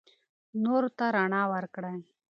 نورو ته رڼا ورکړئ.